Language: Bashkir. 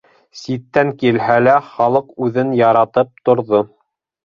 - Ситтән килһә лә, халыҡ үҙен яратып торҙо.